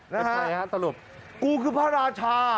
นะค่ะเป็นใครครับสรุปนะฮะนะฮะกูคือพระราชา